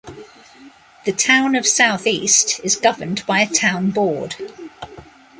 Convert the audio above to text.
The Town of Southeast is governed by a town board.